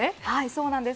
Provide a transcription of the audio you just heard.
そうなんです。